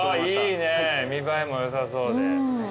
いいね見栄えもよさそうで。